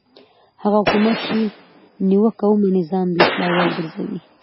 هغه حکومت چې نیوکه ومني ځان د اصلاح وړ ګرځوي